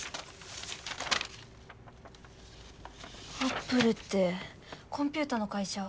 アップルってコンピューターの会社。